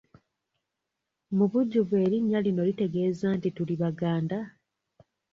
Mu bujjuvu erinnya lino litegeeza nti tuli Baganda?